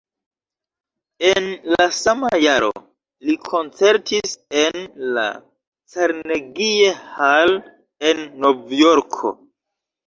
En la sama jaro li koncertis en la Carnegie Hall en Novjorko.